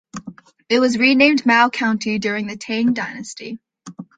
It was renamed Mao county during the Tang Dynasty.